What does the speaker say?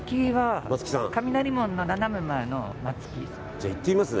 じゃあ行ってみますね。